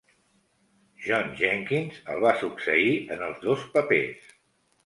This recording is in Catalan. John Jenkins el va succeir en els dos papers.